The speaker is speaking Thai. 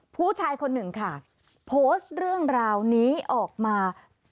ผู้ชายคนหนึ่งค่ะโพสต์เรื่องราวนี้ออกมา